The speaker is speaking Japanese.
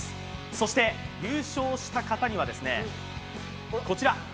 そして、優勝した方にはこちら！